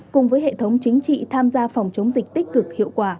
cùng với hệ thống chính trị tham gia phòng chống dịch tích cực hiệu quả